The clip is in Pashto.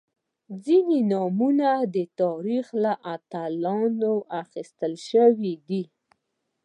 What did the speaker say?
• ځینې نومونه د تاریخ له اتلانو اخیستل شوي دي.